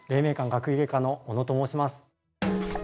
学芸課の小野と申します。